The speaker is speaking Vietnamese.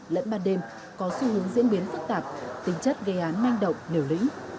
lẫn ban đêm có xu hướng diễn biến phức tạp tính chất gây án manh động liều lĩnh